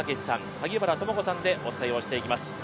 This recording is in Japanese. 萩原智子さんでお伝えします。